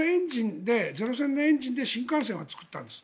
そのエンジンで新幹線を作ったんです。